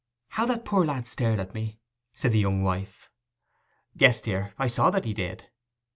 'How that poor lad stared at me!' said the young wife. 'Yes, dear; I saw that he did.